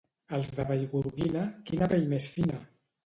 Els de Vallgorguina, quina pell més fina!